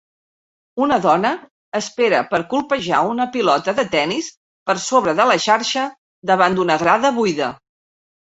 Una dona espera per colpejar una pilota de tennis per sobre de la xarxa davant d'una grada buida.